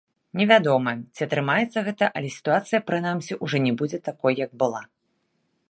Невядома, ці атрымаецца гэта, але сітуацыя, прынамсі, ужо не будзе такой, як была.